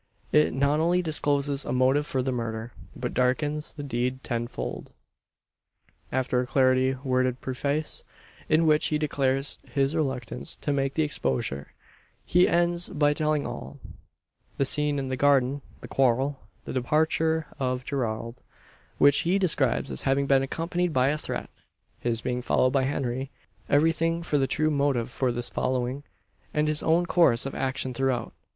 It not only discloses a motive for the murder, but darkens the deed tenfold. After a craftily worded preface, in which he declares his reluctance to make the exposure, he ends by telling all: the scene in the garden; the quarrel; the departure of Gerald, which he describes as having been accompanied by a threat; his being followed by Henry; everything but the true motive for this following, and his own course of action throughout.